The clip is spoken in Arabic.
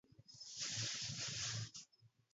نحن قوم نهوى الوجوه الحسانا